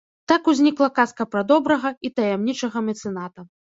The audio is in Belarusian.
Так узнікла казка пра добрага і таямнічага мецэната.